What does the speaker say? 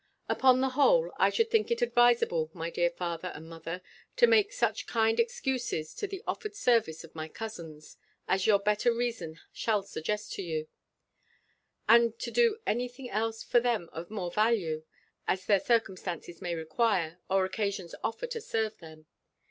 Upon the whole, I should think it advisable, my dear father and mother, to make such kind excuses to the offered service of my cousins, as your better reason shall suggest to you; and to do any thing else for them of more value, as their circumstances may require, or occasions offer to serve them.